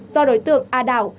do đối tượng a đảo